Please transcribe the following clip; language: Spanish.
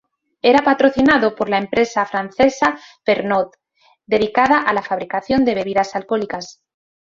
Era patrocinado por la empresa francesa Pernod, dedicada a la fabricación de bebidas alcohólicas.